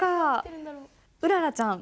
うららちゃん。